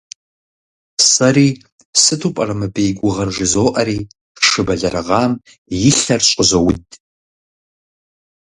Сэри, сыту пӀэрэ мыбы и гугъэр, жызоӀэри, шы бэлэрыгъам и лъэр щӀызоуд.